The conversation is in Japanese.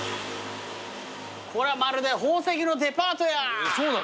これはまるで宝石のデパートや！